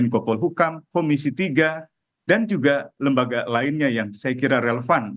menko polhukam komisi tiga dan juga lembaga lainnya yang saya kira relevan